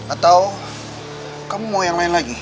atau kamu mau yang lain lagi